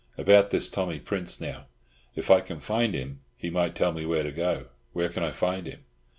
About this Tommy Prince, now; if I can find him he might tell me where to go. Where can I find him?"